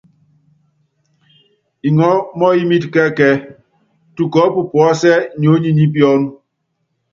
Ŋɔɔ́ mɔ́ɔyimɛt kɛ ɛkɛɛ́, tukɔɔp puɔ́sɛ́ niony ni piɔ́n.